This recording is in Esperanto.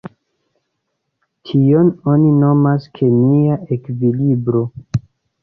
Tion oni nomas kemia ekvilibro.